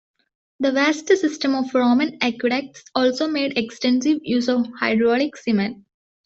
The vast system of Roman aqueducts also made extensive use of hydraulic cement.